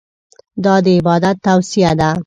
دا د عبادت توصیه ده.